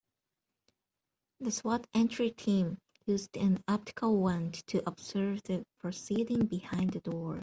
The S.W.A.T. entry team used an optical wand to observe the proceedings behind the door.